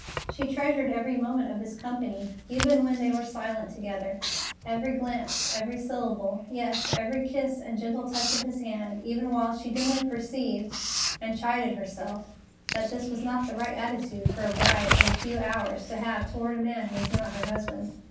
She treasured every moment of his company, even when they were silent together; every glance, every syllable, yes, every kiss and gentle touch of his hand; even while she dimly perceived (and chided herself) that this was not the right attitude for a bride of a few hours to have toward a man who was not her husband.